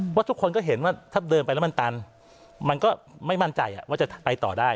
เพราะทุกคนก็เห็นว่าถ้าเดินไปแล้วมันตันมันก็ไม่มั่นใจว่าจะไปต่อได้